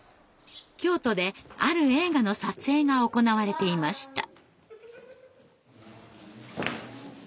京都である映画の撮影が行われていました。